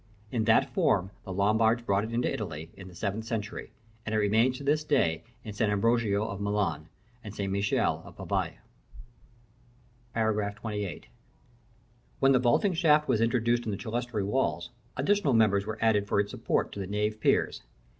In that form the Lombards brought it into Italy, in the seventh century, and it remains to this day in St. Ambrogio of Milan, and St. Michele of Pavia. § XXVIII. When the vaulting shaft was introduced in the clerestory walls, additional members were added for its support to the nave piers.